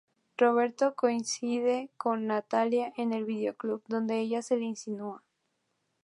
Roberto coincide con Natalia en el vídeo club, donde ella se le insinúa.